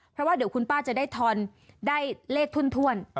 เพราะว่าเดี๋ยวคุณป้าจะได้ทอนได้เลขถ้วน